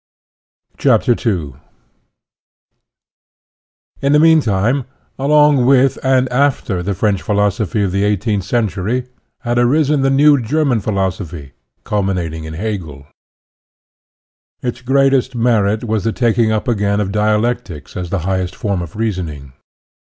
76 SOCIALISM II In the meantime, along with and after the French philosophy of the eighteenth century had arisen the new German phi losophy, culminating in Hegel. Its greatest merit was the taking up again of dialectics as the highest form of reasoning.